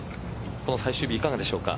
この最終日いかがでしょうか。